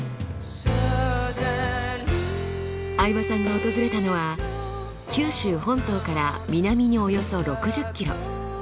相葉さんが訪れたのは九州本島から南におよそ６０ｋｍ